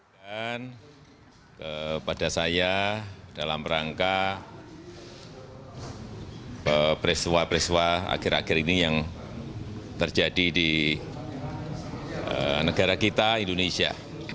dan kepada saya dalam rangka preswa preswa akhir akhir ini yang terjadi di negara kita indonesia